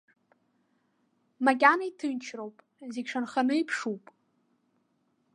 Макьана иҭынчроуп, зегь шанханы иԥшуп.